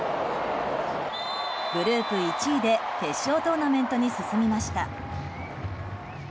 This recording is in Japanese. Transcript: グループ１位で決勝トーナメントに進みました。